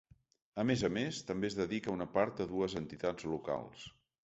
A més a més, també es dedica una part a dues entitats locals.